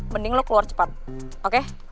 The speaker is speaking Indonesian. mending lo keluar cepat oke